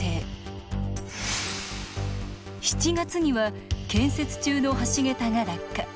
７月には、建設中の橋桁が落下。